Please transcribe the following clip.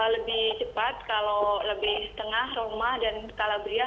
lebih cepat kalau lebih tengah roma dan calabria